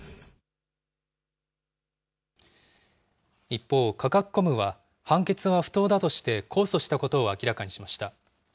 一方、カカクコムは、判決は不当だとして控訴したことを明らかにしました。